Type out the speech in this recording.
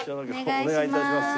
お願い致します。